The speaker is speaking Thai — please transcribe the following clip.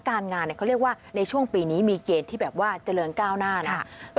การงานเขาเรียกว่าในช่วงปีนี้มีเกณฑ์ที่แบบว่าเจริญก้าวหน้านะครับ